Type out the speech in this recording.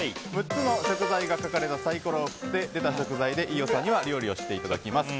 ６つの食材が書かれたサイコロを振って出た食材で飯尾さんには料理をしていただきます。